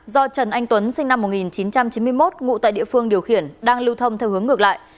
do trần anh tuấn sinh năm một nghìn chín trăm chín mươi một ngụ tại địa phương điều khiển đang lưu thông theo hướng ngược lại